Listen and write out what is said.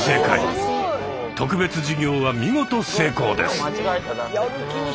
特別授業は見事成功です。